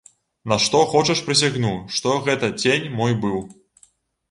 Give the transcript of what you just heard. На што хочаш прысягну, што гэта цень мой быў.